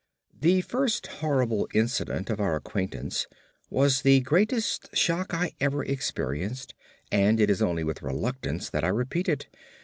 The first horrible incident of our acquaintance was the greatest shock I ever experienced, and it is only with reluctance that I repeat it.